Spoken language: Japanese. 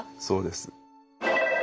そうです。